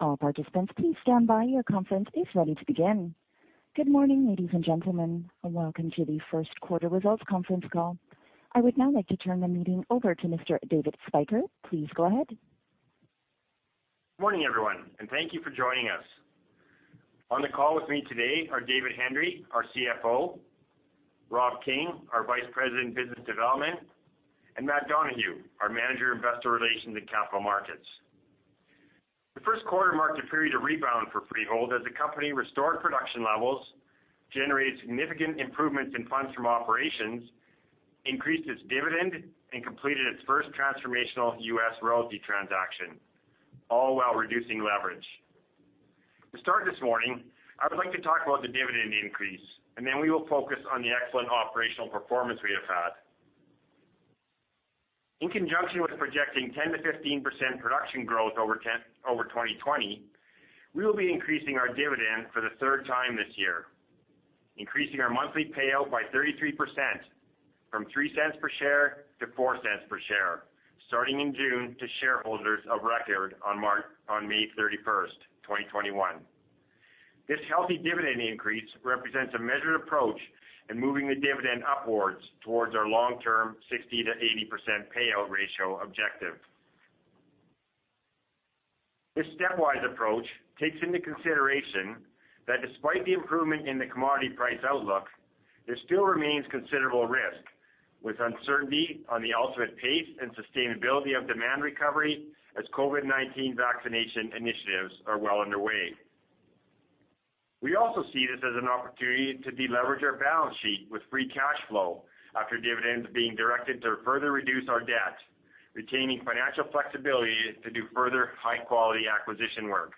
Good morning, ladies and gentlemen, welcome to the first quarter results conference call. I would now like to turn the meeting over to Mr. David Spyker. Please go ahead. Morning, everyone, and thank you for joining us. On the call with me today are David Hendry, our CFO, Rob King, our Vice President of Business Development, and Matt Donohue, our Manager of Investor Relations and Capital Markets. The first quarter marked a period of rebound for Freehold as the company restored production levels, generated significant improvements in funds from operations, increased its dividend, and completed its first transformational U.S. royalty transaction, all while reducing leverage. To start this morning, I would like to talk about the dividend increase, and then we will focus on the excellent operational performance we have had. In conjunction with projecting 10%-15% production growth over 2020, we will be increasing our dividend for the third time this year, increasing our monthly payout by 33%, from 0.03 per share to 0.04 per share, starting in June to shareholders of record on May 31st, 2021. This healthy dividend increase represents a measured approach in moving the dividend upwards towards our long-term 60%-80% payout ratio objective. This stepwise approach takes into consideration that despite the improvement in the commodity price outlook, there still remains considerable risk, with uncertainty on the ultimate pace and sustainability of demand recovery as COVID-19 vaccination initiatives are well underway. We also see this as an opportunity to deleverage our balance sheet with free cash flow after dividends being directed to further reduce our debt, retaining financial flexibility to do further high-quality acquisition work.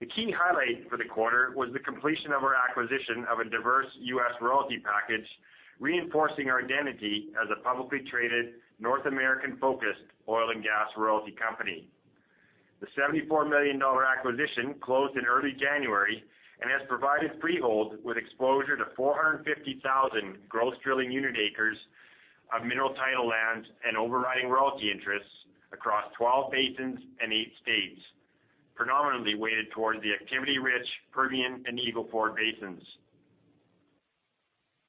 The key highlight for the quarter was the completion of our acquisition of a diverse U.S. royalty package, reinforcing our identity as a publicly traded North American-focused oil and gas royalty company. The 74 million dollar acquisition closed in early January and has provided Freehold with exposure to 450,000 gross drilling unit acres of mineral title lands and overriding royalty interests across 12 basins and eight states, predominantly weighted towards the activity-rich Permian and Eagle Ford basins.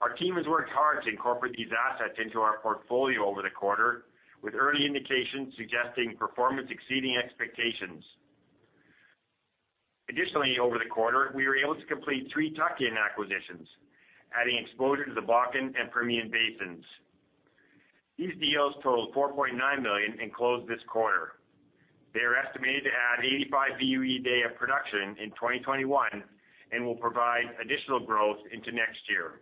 Our team has worked hard to incorporate these assets into our portfolio over the quarter, with early indications suggesting performance exceeding expectations. Additionally, over the quarter, we were able to complete three tuck-in acquisitions, adding exposure to the Bakken and Permian basins. These deals totaled 4.9 million and closed this quarter. They are estimated to add 85 BOE day of production in 2021 and will provide additional growth into next year.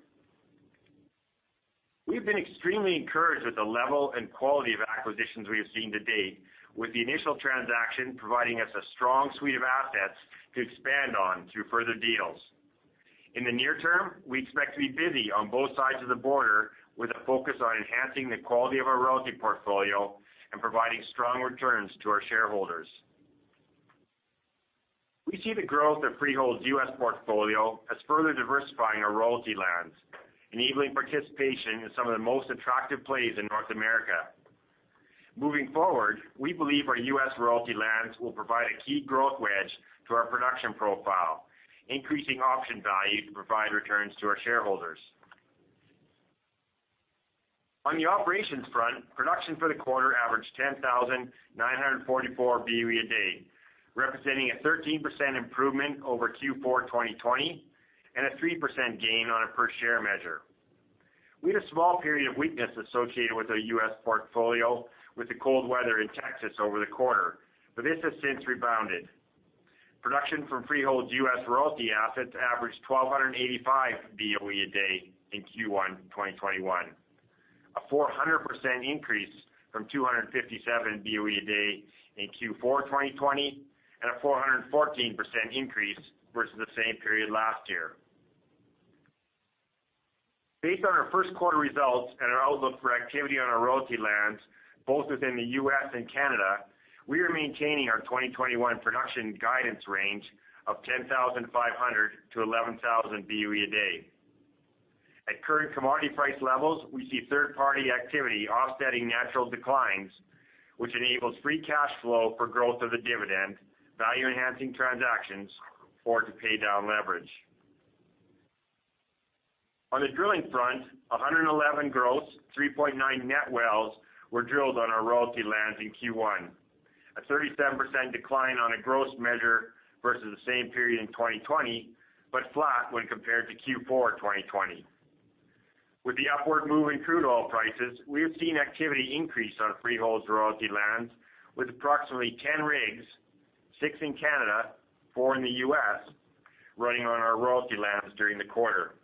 We've been extremely encouraged with the level and quality of acquisitions we have seen to date, with the initial transaction providing us a strong suite of assets to expand on through further deals. In the near term, we expect to be busy on both sides of the border with a focus on enhancing the quality of our royalty portfolio and providing strong returns to our shareholders. We see the growth of Freehold's U.S. portfolio as further diversifying our royalty lands and enabling participation in some of the most attractive plays in North America. Moving forward, we believe our U.S. royalty lands will provide a key growth wedge to our production profile, increasing option value to provide returns to our shareholders. On the operations front, production for the quarter averaged 10,944 BOE a day, representing a 13% improvement over Q4 2020 and a 3% gain on a per-share measure. We had a small period of weakness associated with our U.S. portfolio with the cold weather in Texas over the quarter, but this has since rebounded. Production from Freehold's U.S. royalty assets averaged 1,285 BOE a day in Q1 2021, a 400% increase from 257 BOE a day in Q4 2020 and a 414% increase versus the same period last year. Based on our first quarter results and our outlook for activity on our royalty lands, both within the U.S. and Canada, we are maintaining our 2021 production guidance range of 10,500 BOE-11,000 BOE a day. At current commodity price levels, we see third-party activity offsetting natural declines, which enables free cash flow for growth of the dividend, value-enhancing transactions, or to pay down leverage. On the drilling front, 111 gross, 3.9 net wells were drilled on our royalty lands in Q1, a 37% decline on a gross measure versus the same period in 2020, but flat when compared to Q4 2020. With the upward move in crude oil prices, we have seen activity increase on Freehold's royalty lands with approximately 10 rigs, six in Canada, four in the U.S., running on our royalty lands during the quarter.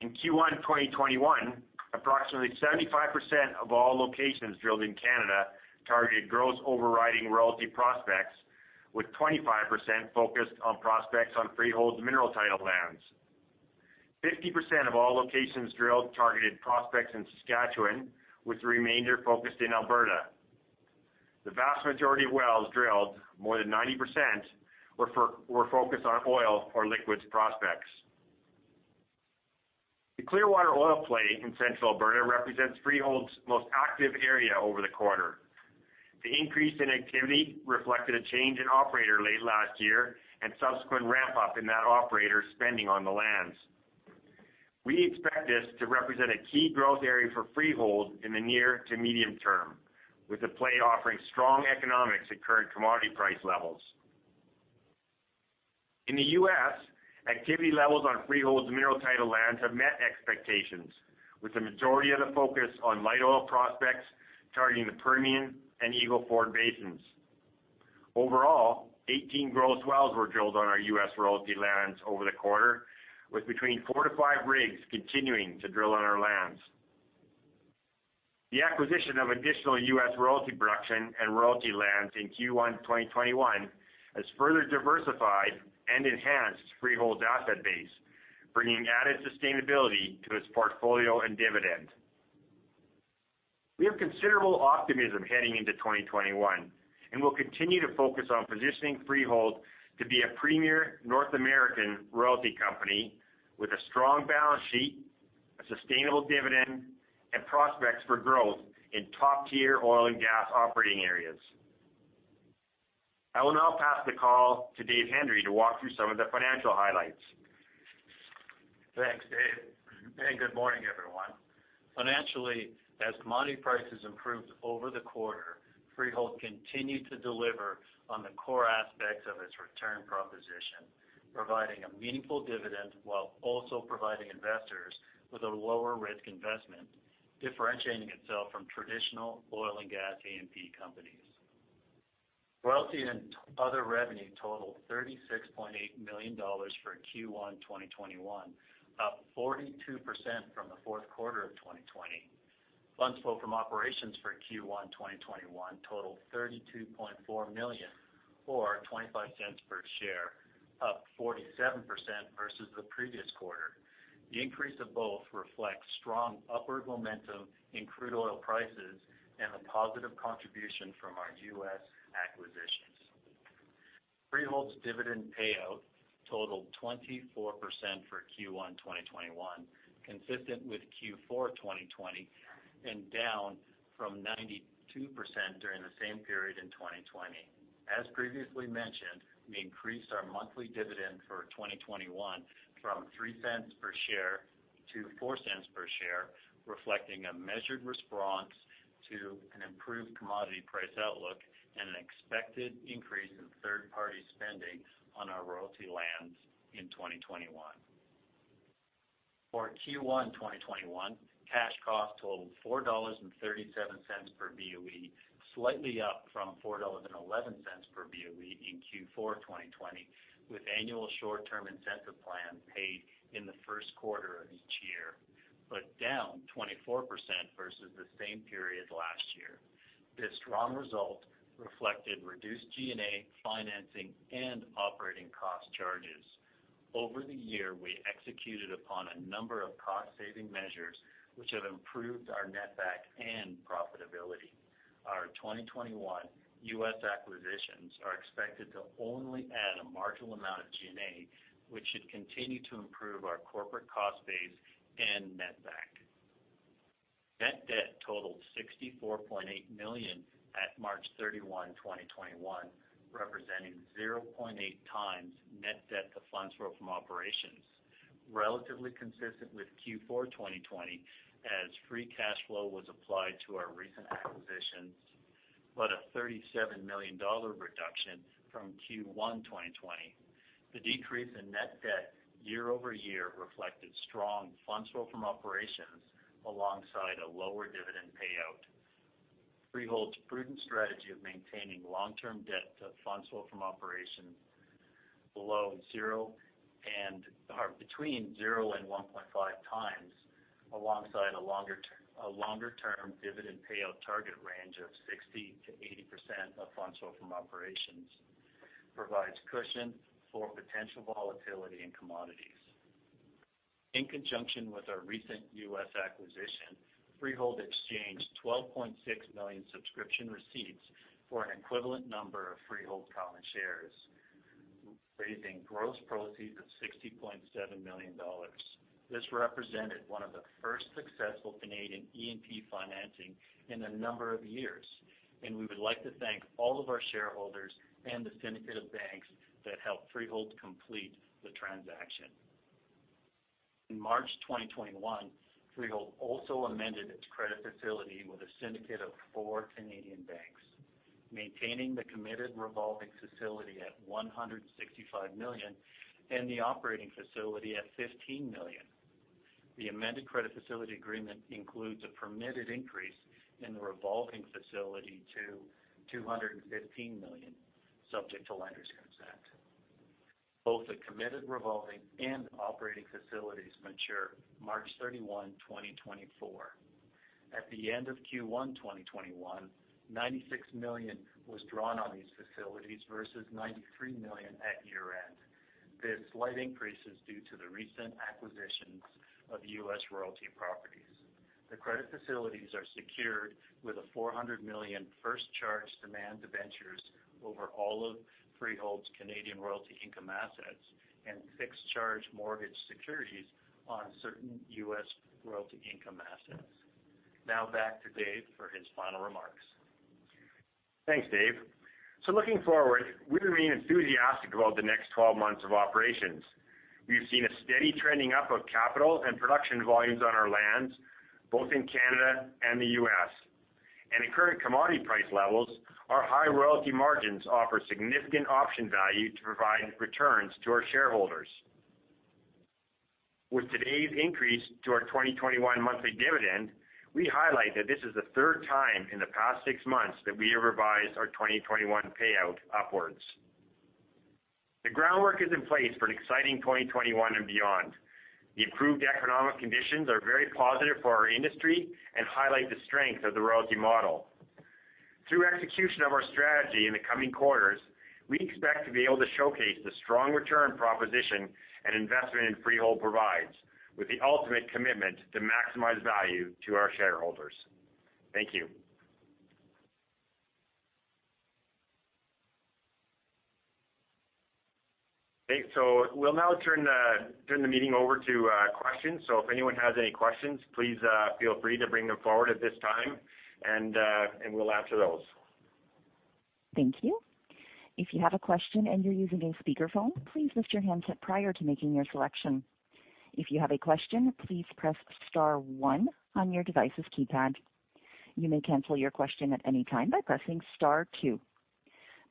In Q1 2021, approximately 75% of all locations drilled in Canada targeted gross overriding royalty prospects, with 25% focused on prospects on Freehold's mineral title lands. 50% of all locations drilled targeted prospects in Saskatchewan, with the remainder focused in Alberta. The vast majority of wells drilled, more than 90%, were focused on oil or liquids prospects. The Clearwater oil play in central Alberta represents Freehold's most active area over the quarter. The increase in activity reflected a change in operator late last year and subsequent ramp-up in that operator spending on the lands. We expect this to represent a key growth area for Freehold in the near to medium term, with the play offering strong economics at current commodity price levels. In the U.S., activity levels on Freehold's mineral title lands have met expectations, with the majority of the focus on light oil prospects targeting the Permian and Eagle Ford basins. Overall, 18 gross wells were drilled on our U.S. royalty lands over the quarter, with between four to five rigs continuing to drill on our lands. The acquisition of additional U.S. royalty production and royalty lands in Q1 2021 has further diversified and enhanced Freehold's asset base, bringing added sustainability to its portfolio and dividend. We have considerable optimism heading into 2021 and will continue to focus on positioning Freehold to be a premier North American royalty company with a strong balance sheet, a sustainable dividend, and prospects for growth in top-tier oil and gas operating areas. I will now pass the call to Dave Hendry to walk through some of the financial highlights. Thanks, Dave, and good morning, everyone. Financially, as commodity prices improved over the quarter, Freehold continued to deliver on the core aspects of its return proposition, providing a meaningful dividend while also providing investors with a lower-risk investment, differentiating itself from traditional oil and gas E&P companies. Royalty and other revenue totaled 36.8 million dollars for Q1 2021, up 42% from the fourth quarter of 2020. Funds flow from operations for Q1 2021 totaled CAD 32.4 million or 0.25 per share, up 47% versus the previous quarter. The increase of both reflects strong upward momentum in crude oil prices and the positive contribution from our U.S. acquisitions. Freehold's dividend payout totaled 24% for Q1 2021, consistent with Q4 2020 and down from 92% during the same period in 2020. As previously mentioned, we increased our monthly dividend for 2021 from 0.03 per share to 0.04 per share, reflecting a measured response to an improved commodity price outlook and an expected increase in third-party spending on our royalty lands in 2021. For Q1 2021, cash cost totaled 4.37 dollars per BOE, slightly up from 4.11 dollars per BOE in Q4 2020, with annual short-term incentive plan paid in the first quarter of each year, but down 24% versus the same period last year. This strong result reflected reduced G&A, financing, and operating cost charges. Over the year, we executed upon a number of cost-saving measures, which have improved our netback and profitability. Our 2021 U.S. acquisitions are expected to only add a marginal amount of G&A, which should continue to improve our corporate cost base and netback. Net debt totaled 64.8 million at March 31, 2021, representing 0.8 times net debt to funds flow from operations, relatively consistent with Q4 2020 as free cash flow was applied to our recent acquisitions, but a 37 million dollar reduction from Q1 2020. The decrease in net debt year-over-year reflected strong funds flow from operations alongside a lower dividend payout. Freehold's prudent strategy of maintaining long-term debt to funds flow from operations between zero and 1.5 times, alongside a longer-term dividend payout target range of 60%-80% of funds flow from operations, provides cushion for potential volatility in commodities. In conjunction with our recent U.S. acquisition, Freehold exchanged 12.6 million subscription receipts for an equivalent number of Freehold common shares, raising gross proceeds of 60.7 million dollars. This represented one of the first successful Canadian E&P financing in a number of years, and we would like to thank all of our shareholders and the syndicate of banks that helped Freehold complete the transaction. In March 2021, Freehold also amended its credit facility with a syndicate of four Canadian banks, maintaining the committed revolving facility at 165 million and the operating facility at 15 million. The amended credit facility agreement includes a permitted increase in the revolving facility to 215 million, subject to lender's consent. Both the committed revolving and operating facilities mature March 31, 2024. At the end of Q1 2021, 96 million was drawn on these facilities versus 93 million at year-end. This slight increase is due to the recent acquisitions of U.S. royalty properties. The credit facilities are secured with a 400 million first charge demand debentures over all of Freehold's Canadian royalty income assets and fixed charge mortgage securities on certain U.S. royalty income assets. Back to Dave for his final remarks. Thanks, Dave. Looking forward, we remain enthusiastic about the next 12 months of operations. We've seen a steady trending up of capital and production volumes on our lands, both in Canada and the U.S. In current commodity price levels, our high royalty margins offer significant option value to provide returns to our shareholders. With today's increase to our 2021 monthly dividend, we highlight that this is the third time in the past six months that we have revised our 2021 payout upwards. The groundwork is in place for an exciting 2021 and beyond. The improved economic conditions are very positive for our industry and highlight the strength of the royalty model. Through execution of our strategy in the coming quarters, we expect to be able to showcase the strong return proposition an investment in Freehold provides, with the ultimate commitment to maximize value to our shareholders. Thank you. Great. We'll now turn the meeting over to questions. If anyone has any questions, please feel free to bring them forward at this time, and we'll answer those.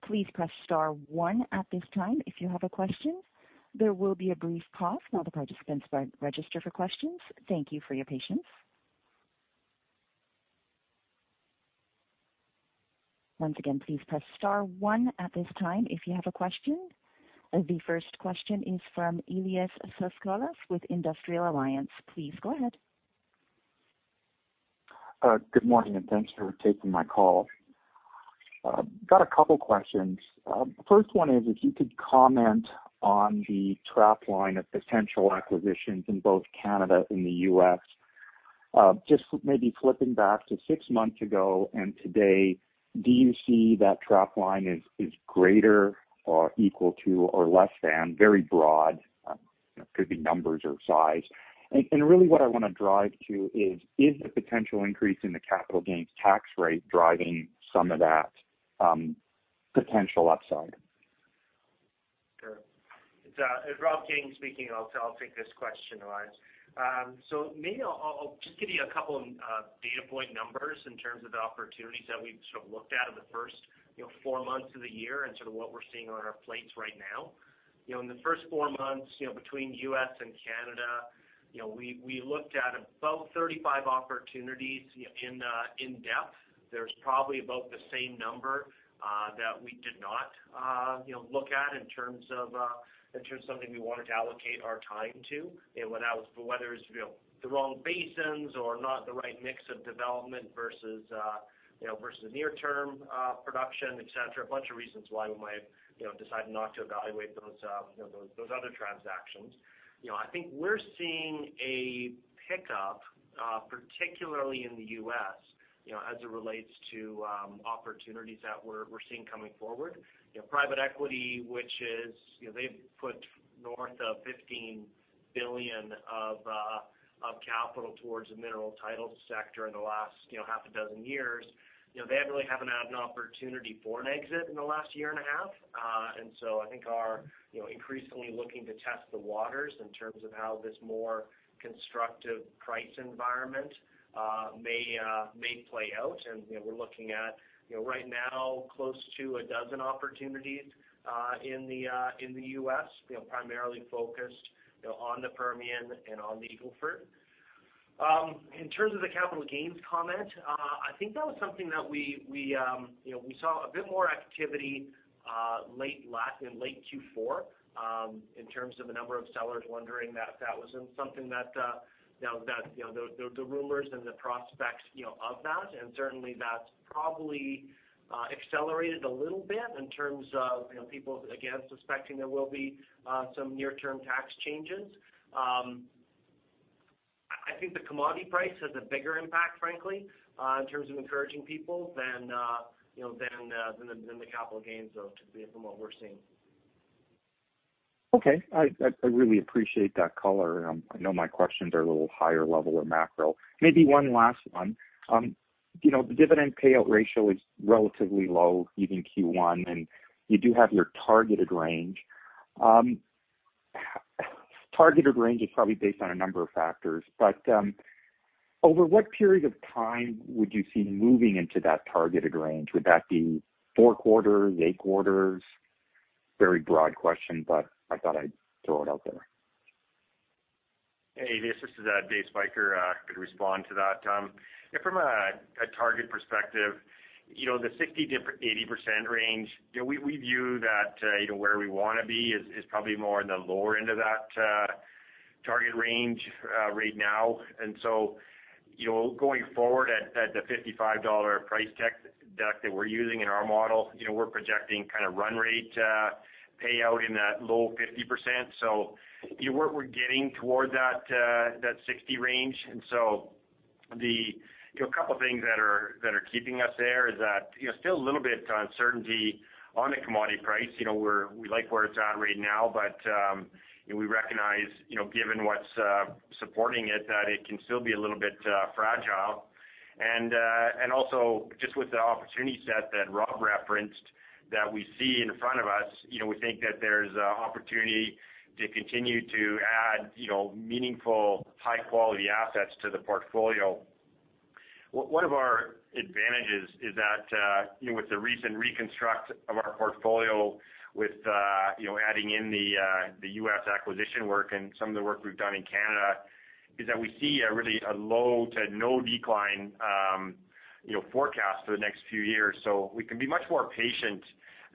The first question is from Elias Foscolos with Industrial Alliance Capital Markets. Please go ahead. Good morning, thanks for taking my call. Got a couple questions. First one is, if you could comment on the trap line of potential acquisitions in both Canada and the U.S. Just maybe flipping back to six months ago and today, do you see that trap line is greater or equal to or less than, very broad, could be numbers or size. Really what I want to drive to is the potential increase in the capital gains tax rate driving some of that potential upside? Sure. It is Rob King speaking. I will take this question, Elias. Maybe I will just give you a couple of data point numbers in terms of the opportunities that we have sort of looked at in the first four months of the year and sort of what we are seeing on our plates right now. In the first four months, between U.S. and Canada, we looked at about 35 opportunities in depth. There is probably about the same number that we did not look at in terms of something we wanted to allocate our time to, whether it is the wrong basins or not the right mix of development versus near term production, et cetera. A bunch of reasons why we might decide not to evaluate those other transactions. I think we are seeing a pickup, particularly in the U.S., as it relates to opportunities that we are seeing coming forward. Private equity, they've put north of 15 billion of capital towards the mineral titles sector in the last half a dozen years. They really haven't had an opportunity for an exit in the last year and a half. I think are increasingly looking to test the waters in terms of how this more constructive price environment may play out. We're looking at, right now, close to a dozen opportunities in the U.S., primarily focused on the Permian and on the Eagle Ford. In terms of the capital gains comment, I think that was something that we saw a bit more activity in late Q4, in terms of the number of sellers wondering if that wasn't something that the rumors and the prospects of that, and certainly that's probably accelerated a little bit in terms of people, again, suspecting there will be some near-term tax changes. I think the commodity price has a bigger impact, frankly, in terms of encouraging people than the capital gains, though, from what we're seeing. Okay. I really appreciate that color. I know my questions are a little higher level or macro. Maybe one last one. The dividend payout ratio is relatively low even Q1, and you do have your targeted range. Targeted range is probably based on a number of factors, but over what period of time would you see moving into that targeted range? Would that be four quarters, eight quarters? Very broad question, but I thought I'd throw it out there. Hey, Elias, this is David Spyker. Could respond to that. From a target perspective, the 60%-80% range, we view that where we want to be is probably more in the lower end of that target range right now. Going forward at the 55 dollar price deck that we're using in our model, we're projecting kind of run rate payout in that low 50%. We're getting toward that 60 range. A couple things that are keeping us there is that there's still a little bit of uncertainty on the commodity price. We like where it's at right now, but we recognize, given what's supporting it, that it can still be a little bit fragile. Just with the opportunity set that Rob King referenced that we see in front of us, we think that there's opportunity to continue to add meaningful, high-quality assets to the portfolio. One of our advantages is that with the recent reconstruct of our portfolio with adding in the U.S. acquisition work and some of the work we've done in Canada, is that we see a really low to no decline forecast for the next few years. We can be much more patient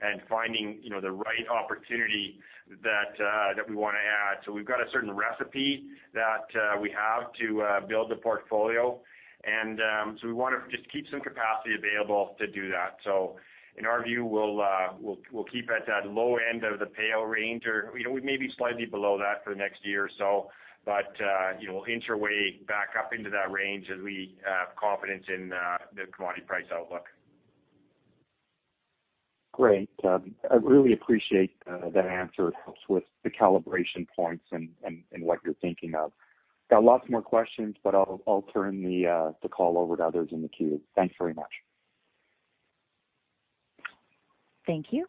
in finding the right opportunity that we want to add. We've got a certain recipe that we have to build the portfolio. We want to just keep some capacity available to do that. In our view, we'll keep at that low end of the payout range, or we may be slightly below that for the next year or so, but inch our way back up into that range as we have confidence in the commodity price outlook. Great. I really appreciate that answer. It helps with the calibration points and what you're thinking of. Got lots more questions. I'll turn the call over to others in the queue. Thanks very much. Thank you.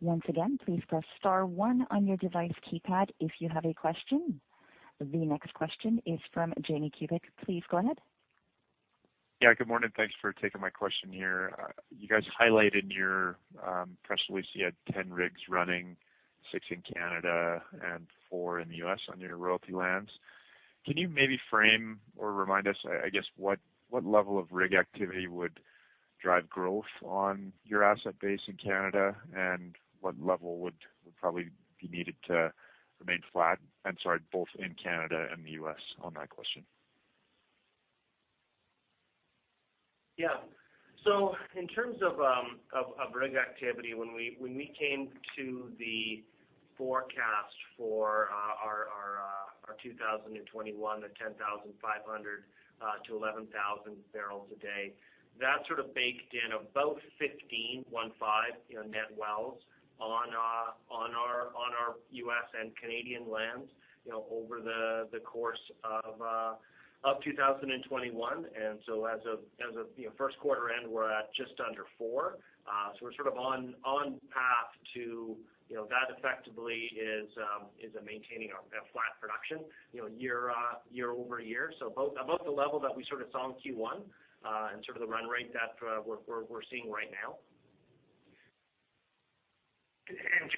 Once again, please press star one on your device keypad if you have a question. The next question is from Jamie Kubik. Please go ahead. Good morning. Thanks for taking my question here. You guys highlighted in your press release you had 10 rigs running, six in Canada and four in the U.S. on your royalty lands. Can you maybe frame or remind us, I guess, what level of rig activity would drive growth on your asset base in Canada? What level would probably be needed to remain flat? I'm sorry, both in Canada and the U.S. on that question. Yeah. In terms of rig activity, when we came to the forecast for our 2021, the 10,500-11,000 barrels a day, that sort of baked in about 15 net wells on our U.S. and Canadian lands over the course of 2021. As of first quarter end, we're at just under four. We're sort of on path that effectively is maintaining a flat production, year-over-year. About the level that we sort of saw in Q1, and sort of the run rate that we're seeing right now.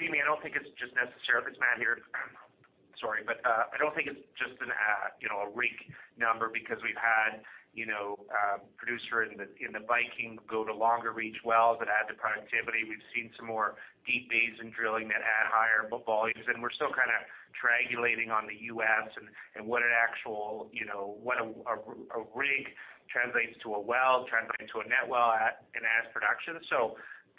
Jamie, if it's Matt here, sorry, but I don't think it's just a rig number because we've had a producer in the Viking go to longer reach wells that add to productivity. We've seen some more Deep Basin drilling that had higher volumes, and we're still kind of triangulating on the U.S. and what a rig translates to a well, translates into a net well and adds production.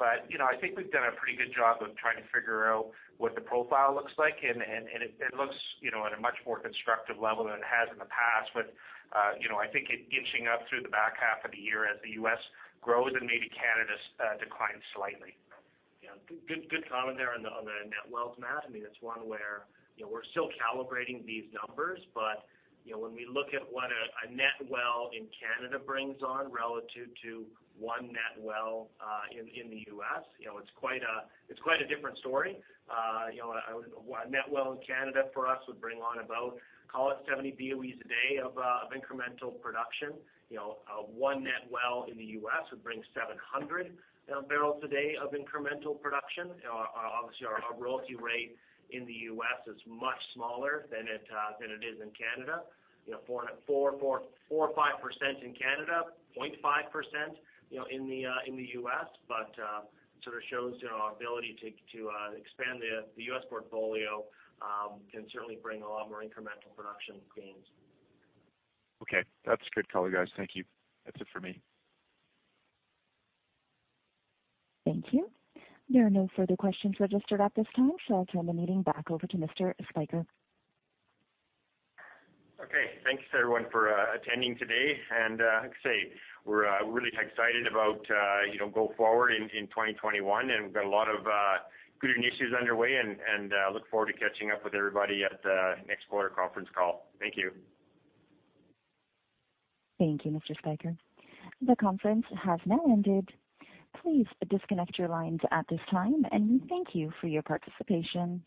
I think we've done a pretty good job of trying to figure out what the profile looks like, and it looks at a much more constructive level than it has in the past with I think it inching up through the back half of the year as the U.S. grows and maybe Canada declines slightly. Yeah. Good comment there on the net wells, Matt. I mean, it's one where we're still calibrating these numbers, but when we look at what a net well in Canada brings on relative to one net well in the U.S., it's quite a different story. A net well in Canada for us would bring on about, call it 70 BOEs a day of incremental production. One net well in the U.S. would bring 700 barrels a day of incremental production. Obviously, our royalty rate in the U.S. is much smaller than it is in Canada. 4% or 5% in Canada, 0.5% in the U.S., but it sort of shows our ability to expand the U.S. portfolio can certainly bring a lot more incremental production gains. Okay. That's a good call, guys. Thank you. That's it for me. Thank you. There are no further questions registered at this time, so I'll turn the meeting back over to Mr. Spyker. Okay. Thanks, everyone, for attending today. Like I say, we're really excited about go forward in 2021. We've got a lot of good initiatives underway. Look forward to catching up with everybody at the next quarter conference call. Thank you. Thank you, Mr. Spyker. The conference has now ended. Please disconnect your lines at this time, and thank you for your participation.